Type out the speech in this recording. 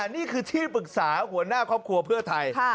นี่คือที่ปรึกษาหัวหน้าครอบครัวเพื่อไทย